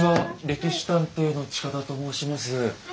「歴史探偵」の近田と申します。